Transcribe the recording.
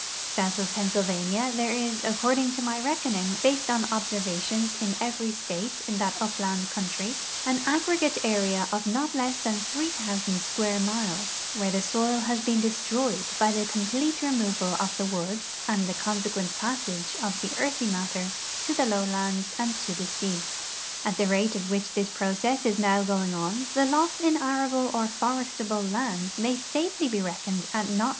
South of Pennsylvania there is, according to my reckoning, based on observations in every state in that upland country, an aggregate area of not less than three thousand s(]uare miles where the soil has been destr()}'ed by the complete removal of the woods and the consequent ])assage of the earthy matter to tlie lowlands and to the sea. At the rate at which this process is now going on, the loss in arable or forestal)le land may safely he reckoned at not le.